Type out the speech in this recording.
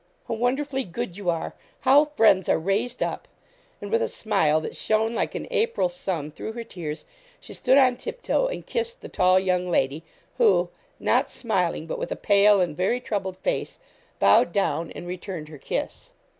'How wonderfully good you are! How friends are raised up!' and with a smile that shone like an April sun through her tears, she stood on tiptoe, and kissed the tall young lady, who not smiling, but with a pale and very troubled face bowed down and returned her kiss.